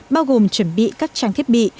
bao gồm chuẩn bị các trang thiết bị